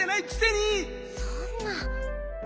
そんな。